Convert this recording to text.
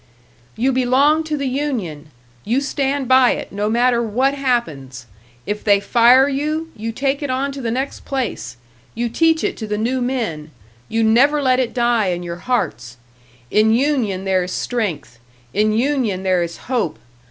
"You belong to the union! You stand by it, no matter what happens! If they fire you, you take it on to the next place! You teach it to the new men, you never let it die in your hearts! In union there is strength, in union there is hope!